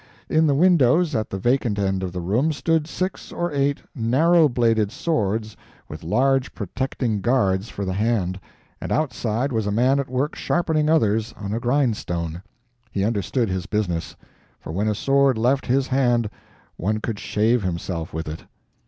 In the windows at the vacant end of the room stood six or eight, narrow bladed swords with large protecting guards for the hand, and outside was a man at work sharpening others on a grindstone. He understood his business; for when a sword left his hand one could shave himself with it.